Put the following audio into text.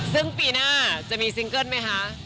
ซึ่งปีหน้าจะมีซิงเกิ้ลไหมคะ